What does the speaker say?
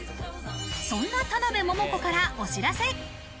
そんな田辺桃子からお知らせ。